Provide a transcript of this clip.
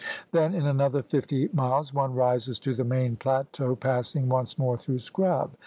Then in another fifty miles one rises to the main plateau passing once more through scrub.